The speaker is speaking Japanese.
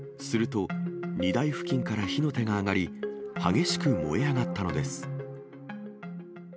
すると、荷台付近から火の手が上がり、激しく燃え上がったのです。